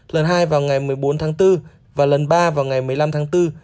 lần hai vào ngày một mươi bốn tháng bốn và lần ba vào ngày một mươi năm tháng bốn